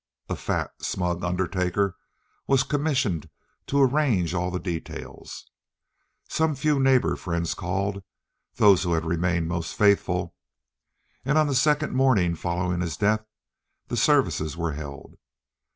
A fat, smug undertaker was commissioned to arrange all the details. Some few neighborhood friends called—those who had remained most faithful—and on the second morning following his death the services were held.